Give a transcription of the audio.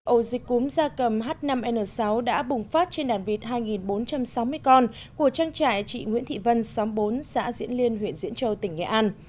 ổ dịch cúm da cầm h năm n sáu đã bùng phát trên đàn vịt hai bốn trăm sáu mươi con của trang trại chị nguyễn thị vân xóm bốn xã diễn liên huyện diễn châu tỉnh nghệ an